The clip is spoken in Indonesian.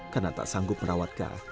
karena tak sanggup merawat kak